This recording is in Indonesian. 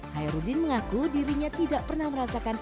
hairudin mengaku dirinya tidak pernah merasakan